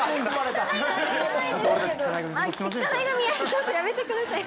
ちょっとやめてください。